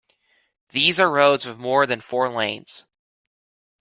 These are roads with more than four lanes.